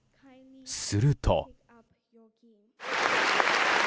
すると。